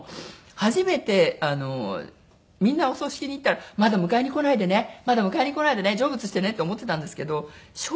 初めてみんなお葬式に行ったらまだ迎えに来ないでねまだ迎えに来ないでね成仏してねって思ってたんですけど笑